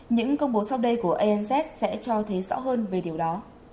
những công bố sau đây của anz sẽ cho thấy rõ hơn về điều đó